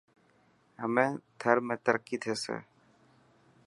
همي ٿر ۾ ترقي ٿيسي.